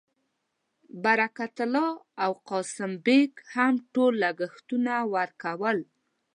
برکت الله او قاسم بېګ هم ټول لګښتونه ورکول.